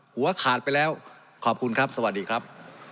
หัวขาดไปแล้วขอบคุณครับสวัสดีครับ